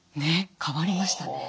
変わりましたね。